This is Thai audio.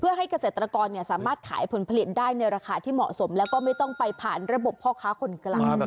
เพื่อให้เกษตรกรสามารถขายผลผลิตได้ในราคาที่เหมาะสมแล้วก็ไม่ต้องไปผ่านระบบพ่อค้าคนกลาง